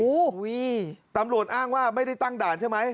โอ้โหตำรวจอ้างว่าไม่ได้ตั้งด่านใช่ไหม